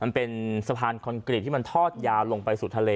มันเป็นสะพานคอนกรีตที่มันทอดยาวลงไปสู่ทะเล